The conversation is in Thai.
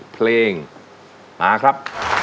เพลงมาครับ